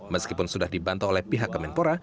meskipun sudah dibantu oleh pihak kemenpora